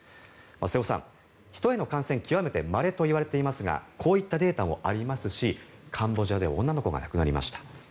瀬尾さん、人への感染極めてまれといわれていますがこういったデータもありますしカンボジアで女の子が亡くなりました。